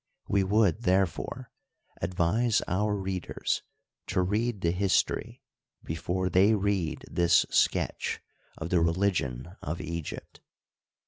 We would, therefore, advise our readers to read the history before they read this sketch of the religion of Egypt.